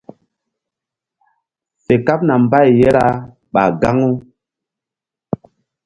Fe kaɓna mbay ye ra ɓah gaŋu.